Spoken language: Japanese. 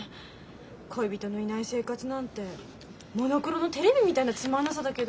恋人のいない生活なんてモノクロのテレビみたいなつまんなさだけどねえ。